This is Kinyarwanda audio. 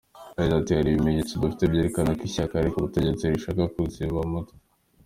Yagize ati : “Hari ibimenyetso dufite byerekana ko ishyaka riri ku butegetsi rishaka kuziba amajwi.”